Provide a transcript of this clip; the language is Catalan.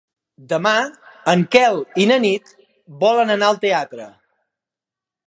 Demà en Quel i na Nit volen anar al teatre.